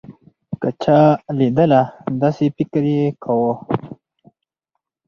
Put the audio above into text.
که چا لېدله داسې فکر يې کوو.